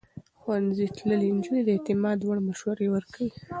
ښوونځی تللې نجونې د اعتماد وړ مشورې ورکوي.